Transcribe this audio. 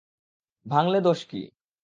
ভাঙলে দোষ কী?